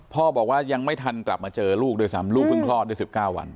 พ่อบอกว่ายังไม่ทันกลับมาเจอลูกด้วยซ้ำลูกเพิ่งคลอดได้๑๙วัน